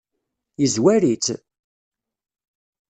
Yezwar-itt?